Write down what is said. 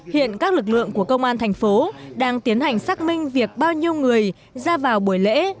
hiện các lực lượng của công an thành phố đang tiến hành xác minh việc bao nhiêu người ra vào buổi lễ